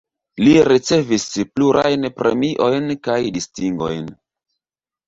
Li ricevis plurajn premiojn kaj distingojn.